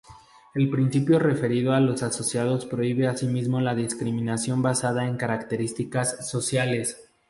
El principio referido a los asociados prohíbe asimismo la discriminación basada en características "sociales".